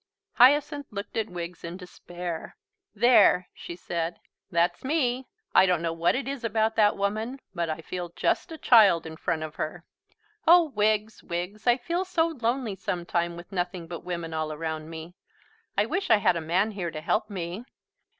Hyacinth looked at Wiggs in despair. "There!" she said. "That's me. I don't know what it is about that woman, but I feel just a child in front of her. Oh, Wiggs, Wiggs, I feel so lonely sometimes with nothing but women all around me. I wish I had a man here to help me."